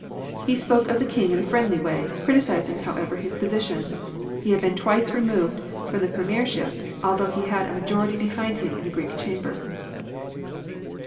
He spoke of the King in a friendly way, criticizing, however, his position. He had been twice removed from the Premiership, although he had a majority behind him in the Greek Chamber.